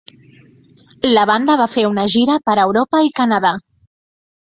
La banda va fer una gira per Europa i Canadà.